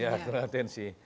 ya kurang atensi